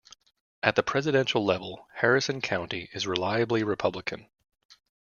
At the presidential level, Harrison County is reliably Republican.